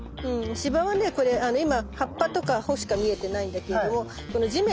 シバはねこれ今葉っぱとか穂しか見えてないんだけれどもこの地面